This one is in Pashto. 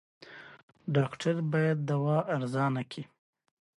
بیاوېش د برابرۍ په نوم تناقض دی.